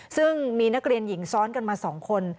ซึ่งมีนักเรียนหญิงซ้อนกันมา๒คน